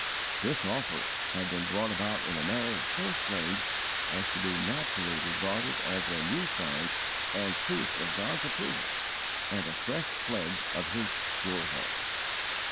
This offer had been brought about in a manner so strange as to be naturally regarded as a new sign and proof of God's approval and a fresh pledge of His sure help.